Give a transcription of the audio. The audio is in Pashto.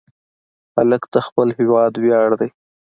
هلک د خپل هېواد ویاړ دی.